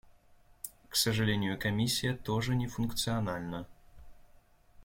К сожалению, Комиссия тоже не функциональна.